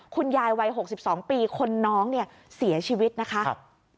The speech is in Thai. คุณยายวัย๖๒ปีคนน้องเนี่ยเสียชีวิตนะคะ